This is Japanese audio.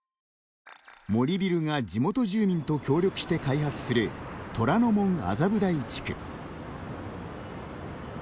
森ビルが地元住民と協力して開発する虎ノ門・麻布台地区。